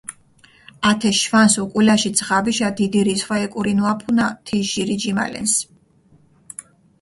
ათე შვანს უკულაში ძღაბიშა დიდი რისხვა ეკურინუაფუნა თი ჟირი ჯიმალენს.